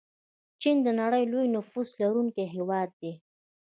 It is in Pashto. چین د نړۍ لوی نفوس لرونکی هیواد دی.